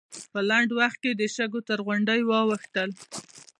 په لنډ وخت کې د شګو تر غونډۍ واوښتل.